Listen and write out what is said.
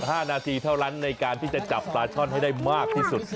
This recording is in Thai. ๕นาทีเท่านั้นในการที่จะจับปลาช่อนให้ได้มากที่สุด